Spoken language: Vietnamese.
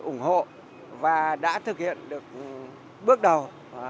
ủng hộ và đã thực hiện được bước đầu